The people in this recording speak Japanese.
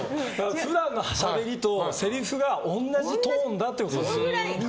普段のしゃべりとせりふが同じトーンだってことですよ。